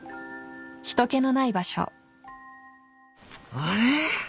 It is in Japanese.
あれ？